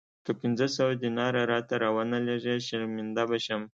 که پنځه سوه دیناره راته را ونه لېږې شرمنده به شم.